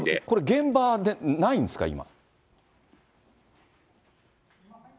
これ、現場でないんですか？